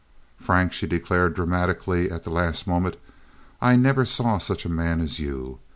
"Frank," she declared, dramatically, at the last moment, "I never saw such a man as you.